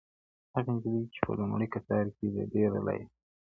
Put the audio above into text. هغه نجلۍ چي په لومړي قطار کي ده ډېره لایقه ده.